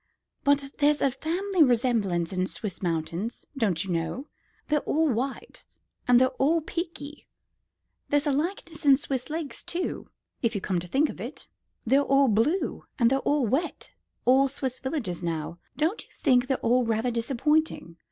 But there's a family resemblance in Swiss mountains, don't you know? They're all white and they're all peaky. There's a likeness in Swiss lakes, too, if you come to think of it. They're all blue, and they're all wet. And Swiss villages, now don't you think they are rather disappointing?